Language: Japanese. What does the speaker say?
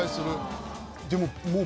でももう。